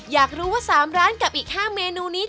อยากรู้ว่า๓ร้านกับอีก๕เมนูนี้